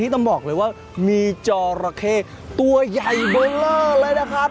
ต้องบอกเลยว่ามีจอระเข้ตัวใหญ่เบอร์เลอร์เลยนะครับ